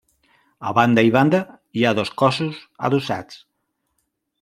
A banda i banda hi ha dos cossos adossats.